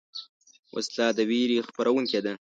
وسله د ویرې خپرونکې ده